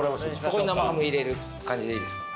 そこに生ハム入れる感じでいいですか？